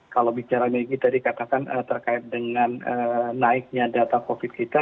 kalau bicara lagi tadi katakan terkait dengan naiknya data covid sembilan belas kita